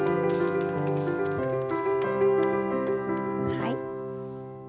はい。